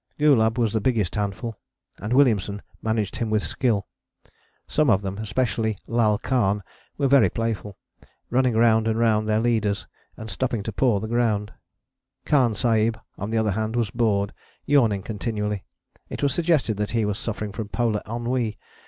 Gulab was the biggest handful, and Williamson managed him with skill: some of them, especially Lal Khan, were very playful, running round and round their leaders and stopping to paw the ground: Khan Sahib, on the other hand, was bored, yawning continually: it was suggested that he was suffering from polar ennui!